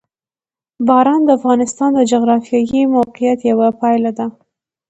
باران د افغانستان د جغرافیایي موقیعت یوه پایله ده.